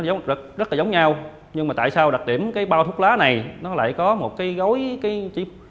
giống rất là giống nhau nhưng mà tại sao đặc điểm cái bao thuốc lá này nó lại có một cây gối chiếc